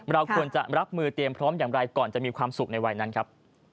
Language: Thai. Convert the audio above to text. เราควรจะรับมือเตรียมพร้อมอย่างไรก่อนจะมีความสุขในวัยนั้นครับ